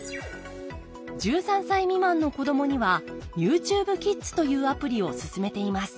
１３歳未満の子どもにはＹｏｕＴｕｂｅＫｉｄｓというアプリを勧めています。